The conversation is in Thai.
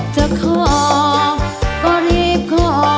จะขอก็รีบขอ